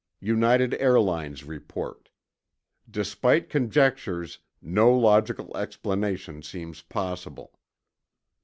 United Airlines report ... despite conjectures, no logical explanation seems possible.